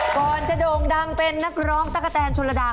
ก่อนจะโด่งดังเป็นนักร้องตะกะแตนชนระดา